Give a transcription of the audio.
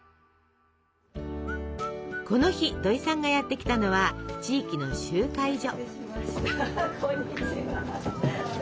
この日どいさんがやって来たのは地域の集会所。